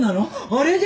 あれで！？